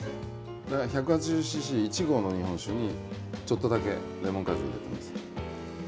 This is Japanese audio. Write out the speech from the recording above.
１８０ｃｃ、１合の日本酒に、ちょっとだけレモン果汁を入れます。